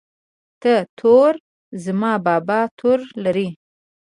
ت توره زما بابا توره لري